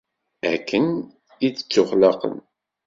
Akken i d-ttuxlaqen.